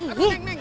aduh neng neng